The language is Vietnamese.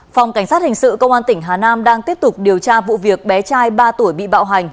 phòng cảnh sát hình sự công an tỉnh hà nam đang tiếp tục điều tra vụ việc bé trai ba tuổi bị bạo hành